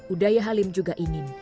udaya halim juga ingin